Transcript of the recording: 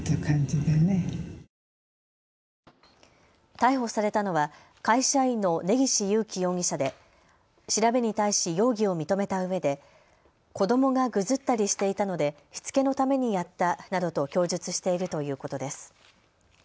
逮捕されたのは会社員の根岸優貴容疑者で調べに対し容疑を認めたうえで子どもがぐずったりしていたのでしつけのためにやったなどと供述しているということです。